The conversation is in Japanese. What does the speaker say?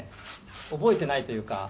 覚えてないというか。